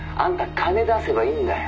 金出せばいいんだよ」